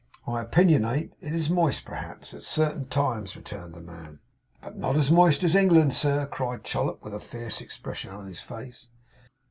'I opinionate it's moist perhaps, at certain times,' returned the man. 'But not as moist as England, sir?' cried Chollop, with a fierce expression in his face.